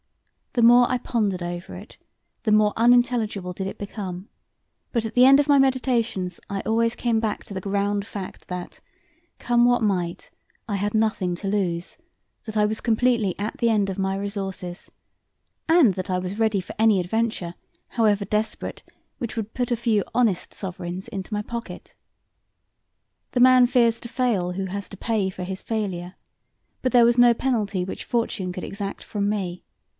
The more I pondered over it the more unintelligible did it become; but at the end of my meditations I always came back to the ground fact that, come what might, I had nothing to lose, that I was completely at the end of my resources, and that I was ready for any adventure, however desperate, which would put a few honest sovereigns into my pocket. The man fears to fail who has to pay for his failure, but there was no penalty which Fortune could exact from me.